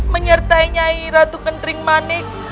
menyertai nyai ratu kenting manik